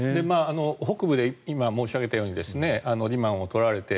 北部で今、申し上げたようにリマンを取られて